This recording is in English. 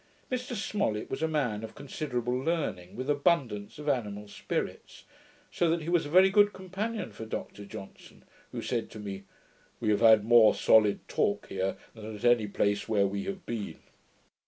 Mr Smollet was a man of considerable learning, with abundance of animal spirits; so that he was a very good companion for Dr Johnson, who said to me, 'We have had more solid talk here than at any place where we have been.'